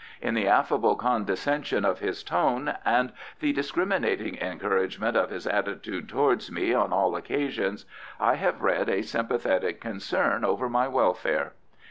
In the affable condescension of his tone, and the discriminating encouragement of his attitude towards me on all occasions, I have read a sympathetic concern over my welfare.